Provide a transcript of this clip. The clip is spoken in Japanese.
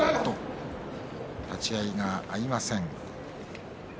立ち合いが合いません。